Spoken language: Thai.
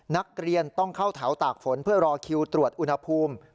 นักเรียนต้องเข้าแถวตากฝนเพื่อรอคิวตรวจอุณหภูมิ